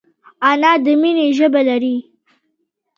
انا د مینې ژبه لري